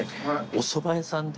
おそば屋さんで。